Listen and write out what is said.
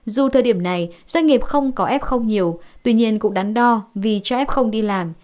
dù thời điểm này doanh nghiệp không có f nhiều tuy nhiên cũng đắn đo vì cho f đi làm